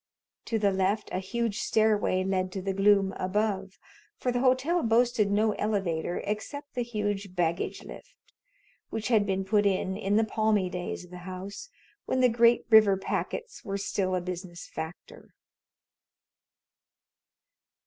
To the left a huge stairway led to the gloom above, for the hotel boasted no elevator except the huge "baggage lift," which had been put in in the palmy days of the house, when the great river packets were still a business factor.